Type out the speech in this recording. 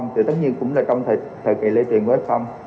thì tất nhiên cũng là trong thời kỳ lây truyền với f